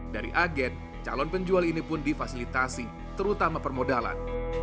dari agen calon penjual ini pun difasilitasi terutama permodalan